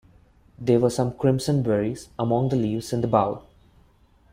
There were some crimson berries among the leaves in the bowl.